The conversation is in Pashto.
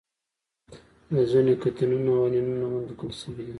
د ځینو کتیونونو او انیونونو نومونه لیکل شوي دي.